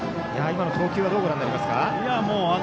今の投球、どうご覧になりますか。